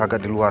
agak di luar